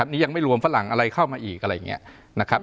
นี่ยังไม่รวมฝรั่งอะไรเข้ามาอีกอะไรอย่างนี้นะครับ